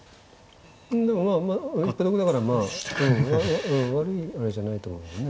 でもまあ一歩得だからまあ悪いあれじゃないと思うね。